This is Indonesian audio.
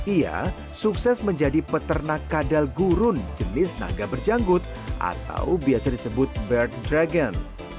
ia sukses menjadi peternak kadal gurun jenis naga berjanggut atau biasa disebut bert dragon